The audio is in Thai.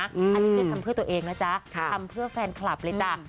อันนี้คือทำเพื่อตัวเองนะจ๊ะทำเพื่อแฟนคลับเลยจ้ะ